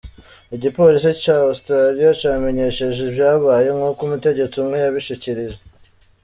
Igipolisi ca Australia camenyeshejwe ivyabaye, nkuko umutegetsi umwe yabishikirije.